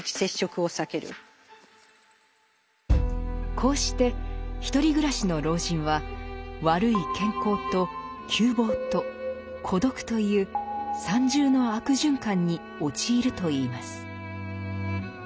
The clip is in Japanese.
こうして独り暮らしの老人は「悪い健康と窮乏と孤独という三重の悪循環」に陥るといいます。